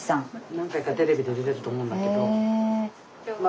何回かテレビで出てると思うんだけど。